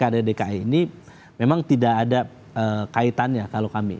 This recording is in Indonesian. kami untuk pilkada dki ini memang tidak ada kaitannya kalau kami